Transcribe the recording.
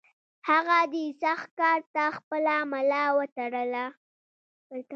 هغه دې سخت کار ته خپله ملا وتړله.